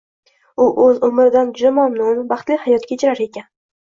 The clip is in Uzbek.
U o‘z umridan juda mamnun, baxtli hayot kechirar ekan